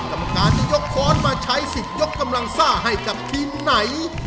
กรรมการจะยกค้อนมาใช้สิทธิ์ยกกำลังซ่าให้กับทีมไหน